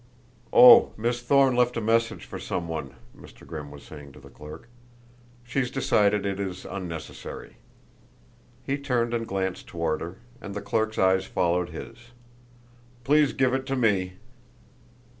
"Oh, Miss Thorne left a message for some one," Mr. Grimm was saying to the clerk. "She's decided it is unnecessary." He turned and glanced toward her, and the clerk's eyes followed his. "Please give it to me."